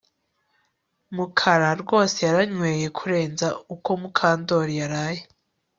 Mukara rwose yaranyweye kurenza uko Mukandoli yaraye